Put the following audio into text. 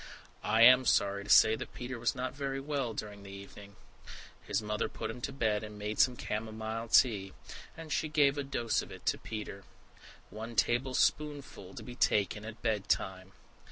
I am sorry to say that Peter was not very well during the evening. His mother put him to bed, and made some camomile tea; and she gave a dose of it to Peter! "One table spoonful to be taken at bed time."